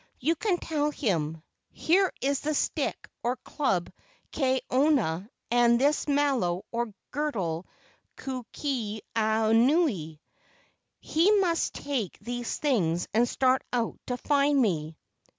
you can tell him, 'Here is the stick or club Kaaona and this malo or girdle Ku ke anuenue.' He must take these things and start out to find me."